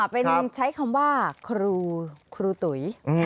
เป็นใช้คำว่าครูตุ๋ย